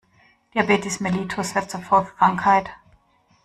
Diabetes mellitus wird zur Volkskrankheit.